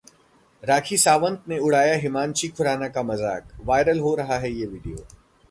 राखी सावंत ने उड़ाया हिमांशी खुराना का मजाक, वायरल हो रहा ये वीडियो